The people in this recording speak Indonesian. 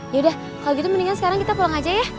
yaudah kalau gitu mendingan sekarang kita pulang aja ya